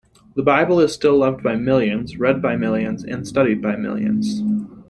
The Bible is still loved by millions, read by millions, and studied by millions.